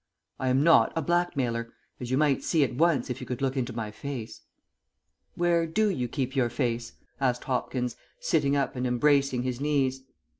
"I am not a blackmailer, as you might see at once if you could look into my face." "Where do you keep your face?" asked Hopkins, sitting up and embracing his knees.